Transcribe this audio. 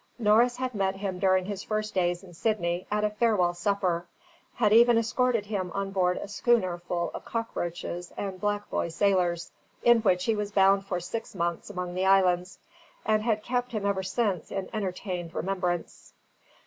Norris had met him during his first days in Sydney at a farewell supper; had even escorted him on board a schooner full of cockroaches and black boy sailors, in which he was bound for six months among the islands; and had kept him ever since in entertained remembrance.